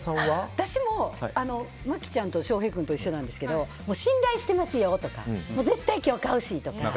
私も麻貴ちゃんと翔平君と一緒なんですけど信頼してますよとか絶対、今日買うしとか。